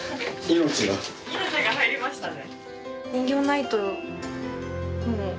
命が入りましたね。